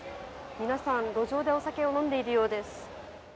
皆さん、路上でお酒を飲んでいるようです。